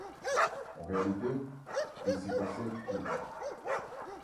En réalité, il s'y passait tout.